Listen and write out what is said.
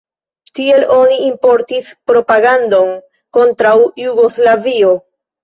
Tiel oni importis propagandon kontraŭ Jugoslavio.